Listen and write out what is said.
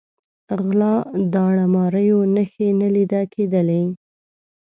غلا، داړه ماریو نښې نه لیده کېدلې.